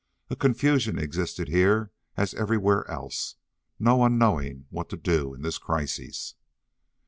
A confusion existed here as everywhere else no one knowing what to do in this crisis.